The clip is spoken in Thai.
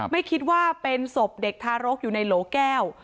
ไม่คิดว่าเป็นศพเด็กทารกอยู่ในโหลแก้ว